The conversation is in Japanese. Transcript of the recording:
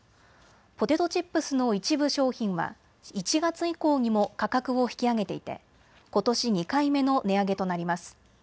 ポテトチップスの一部商品は１月以降にも価格を引き上げていてことし２回目の値上げとなります。